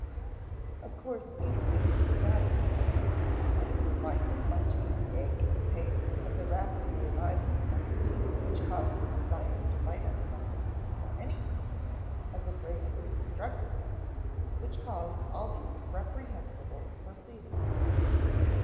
Of course Peter Pan could not understand that it was quite as much the ache and pain of the rapidly arriving second teeth which caused a desire to bite on something or anything, as a craving for destructiveness, which caused all these reprehensible proceedings.